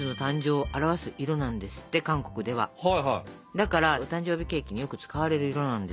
だからお誕生日ケーキによく使われる色なんですよ。